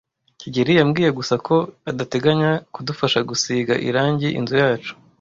kigeli yambwiye gusa ko adateganya kudufasha gusiga irangi inzu yacu.